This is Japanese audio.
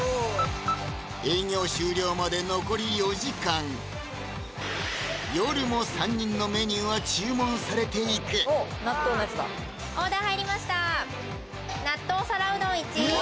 営業終了まで残り４時間夜も３人のメニューは注文されていく納豆皿うどん１